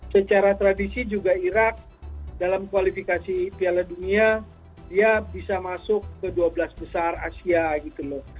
secara tradisi juga irak dalam kualifikasi piala dunia dia bisa masuk ke dua belas besar asia gitu loh